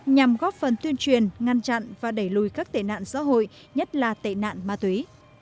nhằm góp phần tuyên truyền ngăn chặn và đẩy lùi các tệ nạn xã hội nhất là tệ nạn ma túy